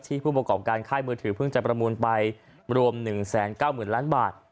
ผู้ประกอบการค่ายมือถือเพิ่งจะประมูลไปรวม๑๙๐๐๐ล้านบาท